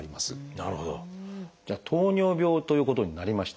じゃあ糖尿病ということになりました。